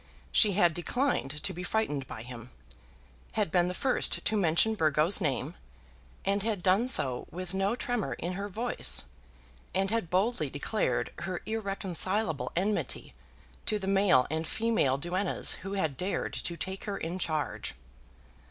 She had declined to be frightened by him; had been the first to mention Burgo's name, and had done so with no tremor in her voice, and had boldly declared her irreconcilable enmity to the male and female duennas who had dared to take her in charge.